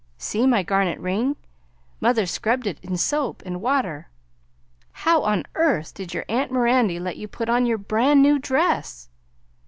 See my garnet ring; mother scrubbed it in soap and water. How on earth did your aunt Mirandy let you put on your bran' new dress?"